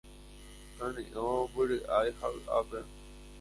Kane'õ, mbyry'ái ha vy'ápe